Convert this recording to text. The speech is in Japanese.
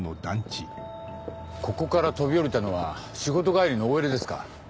ここから飛び降りたのは仕事帰りのＯＬですか。